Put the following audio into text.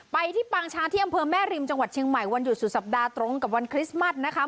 ไปที่ปางช้างที่อำเภอแม่ริมจังหวัดเชียงใหม่วันหยุดสุดสัปดาห์ตรงกับวันคริสต์มัสนะคะ